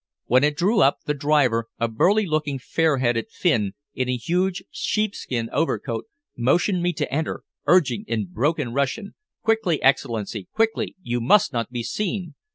When it drew up, the driver, a burly looking, fair headed Finn in a huge sheepskin overcoat, motioned me to enter, urging in broken Russian "Quickly, Excellency! quickly! you must not be seen!"